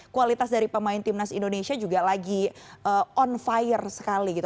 kualitas dari pemain timnas indonesia juga lagi on fire sekali gitu